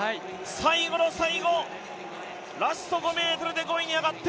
最後の最後、ラスト５ｍで５位に上がって